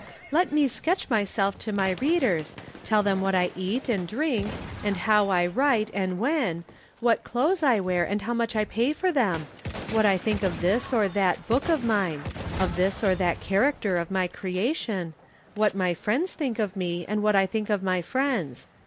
Let me sketch myself to my readers, tell them what I eat and drink, and how I write, and when, what clothes I wear and how much I pay for them, what I think of this or that book of mine, of this or that character of my creation, what my friends think of me, and what I think of my friends.